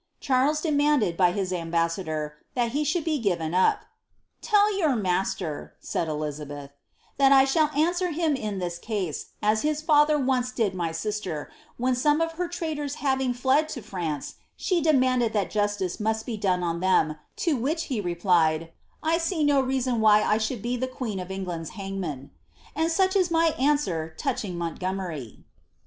Charles demanded, by his ambassador, that he should be gi^en up. ^Tell your master," said Elizabeth, ^^ that I shall answer him in this case, as his father once did my sister, when some of her traitors having fled to France, she demanded that justice might be done on them, to which he replied, ^ I see no reason why I should be the queen of England's hangman ;' and such is my answer touching Montgomeri."